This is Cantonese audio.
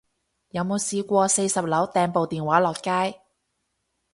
有冇試過四十樓掟部電話落街